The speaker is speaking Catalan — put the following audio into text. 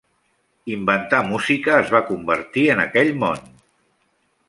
Inventar música es va convertir en aquell món.